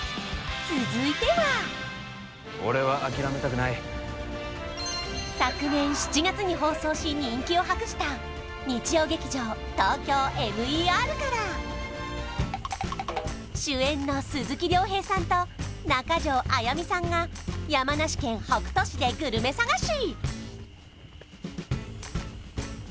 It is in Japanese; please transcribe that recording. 続いては俺は諦めたくない昨年７月に放送し人気を博した日曜劇場「ＴＯＫＹＯＭＥＲ」から主演の鈴木亮平さんと中条あやみさんが山梨県北杜市でグルメ探し！